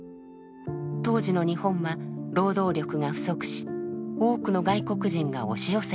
当時の日本は労働力が不足し多くの外国人が押し寄せていました。